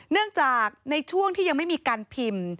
เนื่องจากในช่วงที่ยังไม่มีการพิมพ์